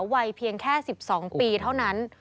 วัยเพียงแค่๑๒ปีเท่านั้น